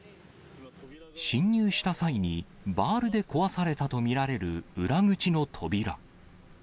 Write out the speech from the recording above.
侵入した際に、バールで壊されたと見られる裏口の扉。